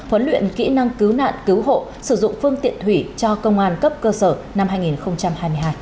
huấn luyện kỹ năng cứu nạn cứu hộ sử dụng phương tiện thủy cho công an cấp cơ sở năm hai nghìn hai mươi hai